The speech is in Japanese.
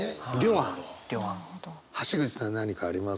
橋口さん何かあります？